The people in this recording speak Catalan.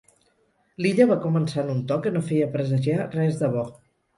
L'Illa va començar en un to que no feia presagiar res de bo.